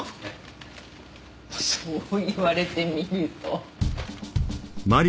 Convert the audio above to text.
そう言われてみると。